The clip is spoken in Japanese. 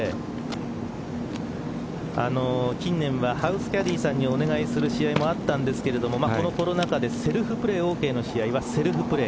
近年はハウスキャディーさんにお願いする試合もあったんですがこのコロナ禍でセルフプレーＯＫの試合はセルフプレー。